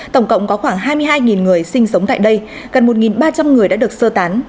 tổng cộng có khoảng hai mươi hai người sinh sống tại đây gần một ba trăm linh người đã được sơ tán